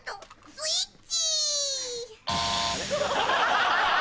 スイッチ。